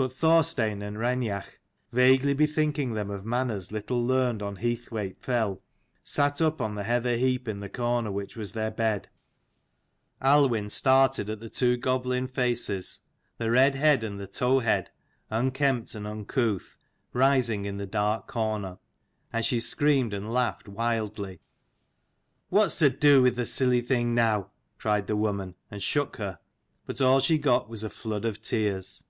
But Thorstein and Raineach, vaguely be thinking them of manners little learned on Heathwaite fell, sat up on the heather heap in the corner which was their bed, Aluinn started at the two goblin faces, the red head and the tow head, unkempt and uncouth, rising in the dark corner: and she screamed and laughed wildly. "What's to do with the silly thing now?" cried the woman, and shook her : but all she got was a flood of tears.